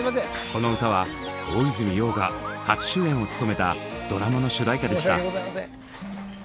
この歌は大泉洋が初主演を務めたドラマの主題歌でした。